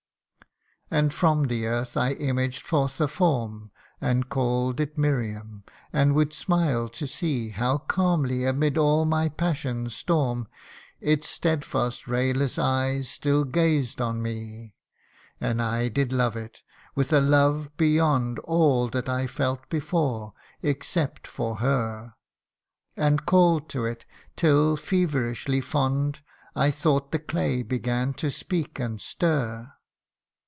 " And from the earth I imaged forth a form, And call'd it Miriam, and would smile to see How calmly, amid all my passion's storm, Its stedfast rayless eyes still gazed on me. And I did love it, with a love beyond All that I felt before, except for her : And call'd to it, till, feverishly fond, I thought the clay began to speak and stir.